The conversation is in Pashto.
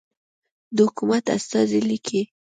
د حکومت استازی لیکي.